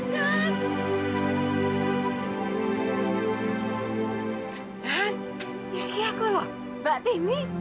nen ini aku loh mba tini